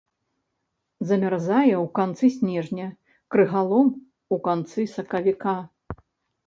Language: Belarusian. Замярзае ў канцы снежня, крыгалом у канцы сакавіка.